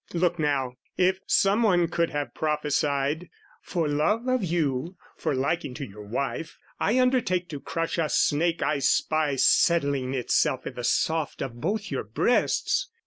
Look now: if some one could have prophesied, "For love of you, for liking to your wife, "I undertake to crush a snake I spy "Settling itself i' the soft of both your breasts.